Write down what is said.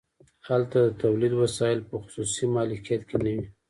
هلته د تولید وسایل په خصوصي مالکیت کې نه وي